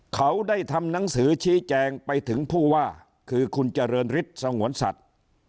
เขาได้ทำหนังสือชี้แจงไปถึงผู้ว่าคือคุณเจริญฤทธิ์สงวนสัตว์